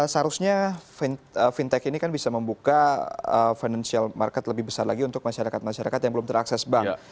seharusnya fintech ini kan bisa membuka financial market lebih besar lagi untuk masyarakat masyarakat yang belum terakses bank